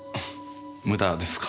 無駄ですか。